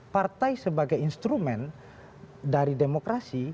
partai sebagai instrumen dari demokrasi